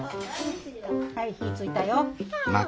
はい火ついたよ。